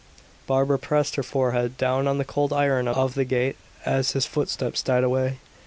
Barbara pressed her forehead down on the cold iron of the gate as his footsteps died away.